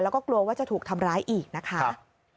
แล้วก็กลัวว่าจะถูกทำร้ายอีกนะคะ